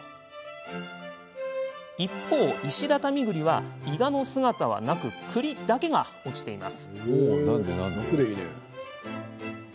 一方、石畳ぐりはイガの姿はなくくりだけが落ちています。